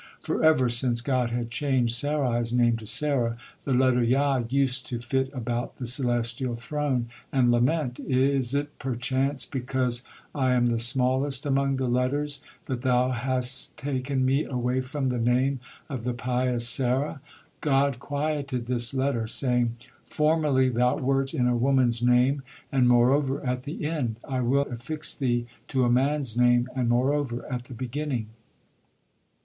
For ever since God had changed Sarai's name to Sarah, the letter Yod used to fit about the celestial Throne and lament: "Is it perchance because I am the smallest among the letters that Thou has taken me away from the name of the pious Sarah?" God quieted this letter, saying: "Formerly thou wert in a woman's name, and, moreover, at the end. I will not affix thee to a man's name, and, moreover, at the beginning."